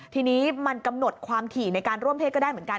ทีนี้มันกำหนดความถี่ในการร่วมเพศก็ได้เหมือนกัน